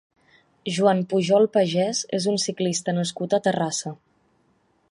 Joan Pujol Pagès és un ciclista nascut a Terrassa.